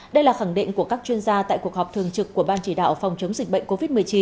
đây là khẳng định của các chuyên gia tại cuộc họp thường trực của ban chỉ đạo phòng chống dịch bệnh covid một mươi chín